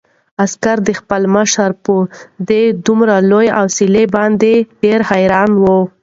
عسکر د خپل مشر په دې دومره لویه حوصله باندې ډېر حیران و.